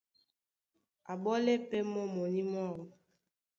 Á ɓole pɛ́ mɔ́ mɔní mwáō.